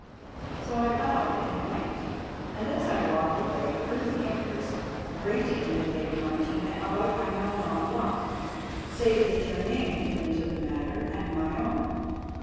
"So I bowed and went, and as I walked away heard the Empress rating the lady Martina about I know not what, save that your name came into the matter, and my own.